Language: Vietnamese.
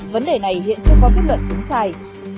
vấn đề này hiện chưa có kết luận đúng sai